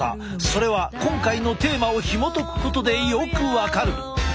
それは今回のテーマをひもとくことでよく分かる。